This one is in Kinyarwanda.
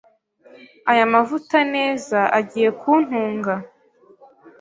Aya mavuta neza agiye kuntunga.